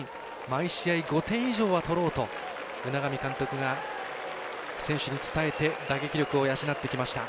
毎試合５点以上は取ろうと海上監督が選手に伝えて打撃力を養ってきました。